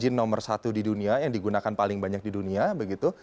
region nomor satu di dunia yang digunakan paling banyak di dunia begitu